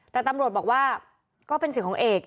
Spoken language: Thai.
แต่ตำรวจบอกว่าก็เป็นสิทธิ์ของเอก